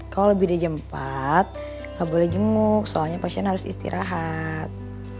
kalo lebih dari jam empat gak boleh jenguk soalnya pasien harus istirahat